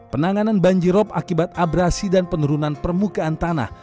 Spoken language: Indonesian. penanganan banjirop akibat abrasi dan penurunan permukaan tanah